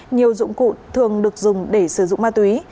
nhiều dụng cụ thường được dùng để sử dụng ma túy